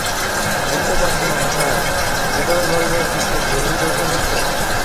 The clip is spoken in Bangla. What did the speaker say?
বুঝতে পারছি নে মশায়, হৃদয় গলাবার কি খুব জরুরি দরকার হয়েছে?